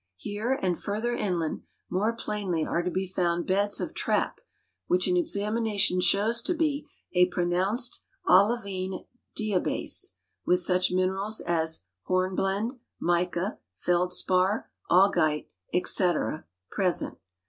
Here and further inland more plainly are to be found beds of trai>, which an examination shows to be a pronounced olivine diabase, with such minerals as hornblende, mica, feldspar, augite, etc, present.